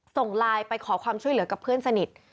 ส่งไลน์ไปขอความช่วยเหลือกับเพื่อนสนิท